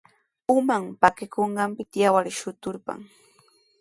Uman pakikunqanpita yawar shuturqan.